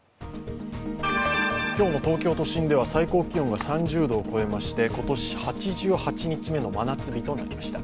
今日も東京都心では最高気温が３０度を超えまして今年８８日目の真夏日となりました。